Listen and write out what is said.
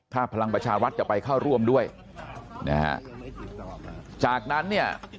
ถ้าพลังประชารัฐจะไปเข้าร่วมด้วยนะฮะจากนั้นเนี่ย